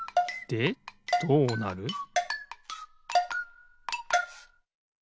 でどうなる？